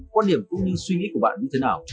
quan điểm cũng như suy nghĩ của bạn như thế nào